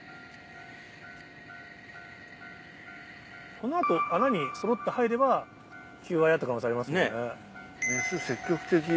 この後穴にそろって入れば求愛だった可能性ありますもんね。